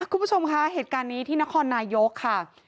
คุณผู้ชมคะเหตุการณ์นี้ที่นครนายกค่ะ